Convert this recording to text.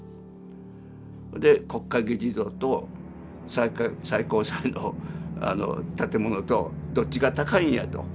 で国会議事堂と最高裁の建物とどっちが高いんやと。